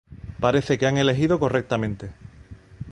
Parece que han elegido correctamente.